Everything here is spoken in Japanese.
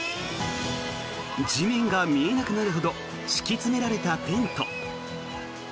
地面が見えなくなるほど敷き詰められたテント。